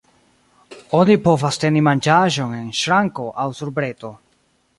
Oni povas teni manĝaĵon en ŝranko aŭ sur breto.